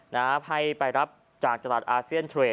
ให้ไปรับจากตลาดอาเซียนเทรด